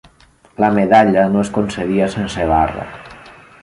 La medalla no es concedia sense barra.